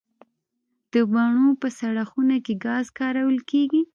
د مڼو په سړه خونه کې ګاز کارول کیږي؟